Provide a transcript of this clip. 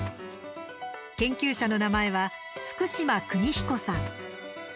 研究者の名前は、福島邦彦さん。